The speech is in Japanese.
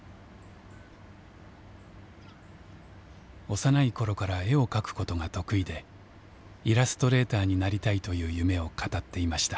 幼い頃から絵を描くことが得意でイラストレーターになりたいという夢を語っていました。